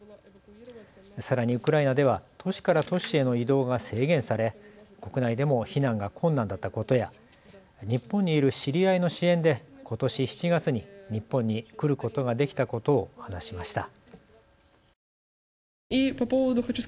さらにウクライナでは都市から都市への移動が制限され国内でも避難が困難だったことや日本にいる知り合いの支援でことし７月に日本に来ることができたことを話しました。